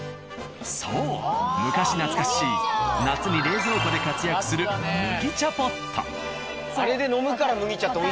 そう昔懐かしい夏に冷蔵庫で活躍する麦茶ポット。